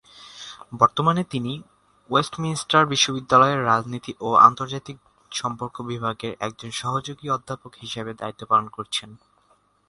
বর্তমানে তিনি ওয়েস্টমিনস্টার বিশ্ববিদ্যালয়ের রাজনীতি ও আন্তর্জাতিক সম্পর্ক বিভাগের একজন সহযোগী অধ্যাপক হিসেবে দায়িত্ব পালন করছেন।